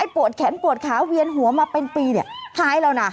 โปรดแขนโปรดขาเวียนหัวมาเป็นปีปลายแล้วนะ